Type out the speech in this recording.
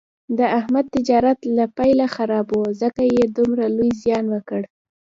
د احمد تجارت له پیله خراب و، ځکه یې دومره لوی زیان وکړ.